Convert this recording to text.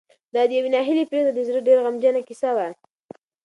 دا د یوې ناهیلې پېغلې د زړه ډېره غمجنه کیسه وه.